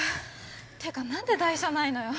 ていうかなんで台車ないのよ？